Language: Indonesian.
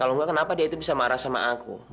kalau enggak kenapa dia itu bisa marah sama aku